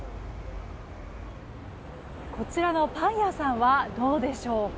こちらのパン屋さんはどうでしょうか。